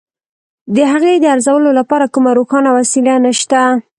د هغې د ارزولو لپاره کومه روښانه وسیله نشته.